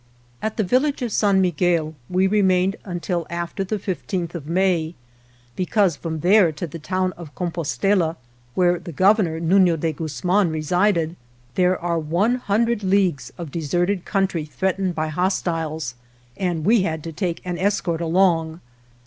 At the village of San Miguel we remained until after the fifteenth of May, because from there to the town of Compostela where the Governor, Nufio de Guzman, re sided there are one hundred leagues of de serted country threatened by hostiles, and we had to take an escort along.